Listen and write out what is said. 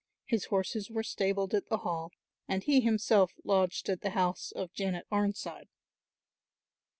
His horses were stabled at the Hall and he himself lodged at the house of Janet Arnside.